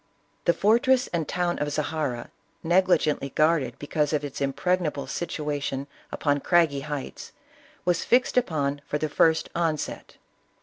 The fortress and town of Zahara, negligently guarded because of its impregnable situation upon craggy heights, was fixed upon for the first onset.